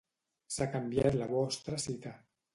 S'ha canviat la vostra cita.